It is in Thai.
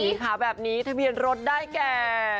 สีขาวแบบนี้ทะเบียนรถได้แก่